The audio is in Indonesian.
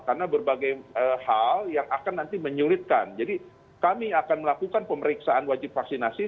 karena berbagai hal yang akan nanti menyulitkan jadi kami akan melakukan pemeriksaan wajib vaksinasi